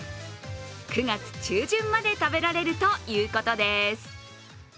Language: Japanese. ９月中旬まで食べられるということです。